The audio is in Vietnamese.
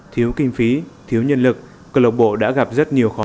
thiếu kinh phí thiếu nhân lực câu lạc bộ đã gặp rất nhiều khó khăn